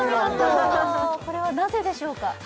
これはなぜでしょうか？